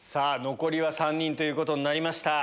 残りは３人ということになりました。